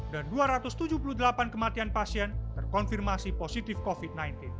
dari dua ratus tujuh puluh delapan kematian pasien terkonfirmasi positif covid sembilan belas